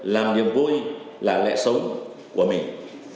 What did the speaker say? làm niềm vui là lệ sống của mình